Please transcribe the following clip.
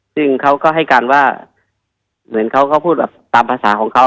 ซึ่งเขาก็ให้การว่าเหมือนเขาก็พูดแบบตามภาษาของเขา